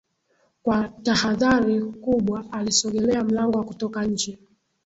Kwa tahadhari kubwaalisogelea mlango wa kutoka nje